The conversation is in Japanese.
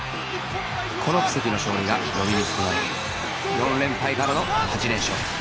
この奇跡の勝利が呼び水となり４連敗からの８連勝